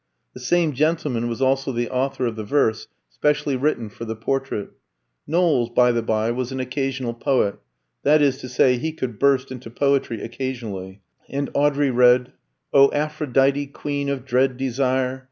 The same gentleman was also the author of the verse, specially written for the portrait. Knowles, by the bye, was an occasional poet that is to say, he could burst into poetry occasionally; and Audrey read: "Oh Aphrodite, queen of dread desire!